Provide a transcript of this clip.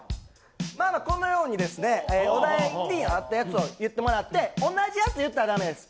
このようにお題に合ったやつを言ってもらって同じやつ言ったら駄目です。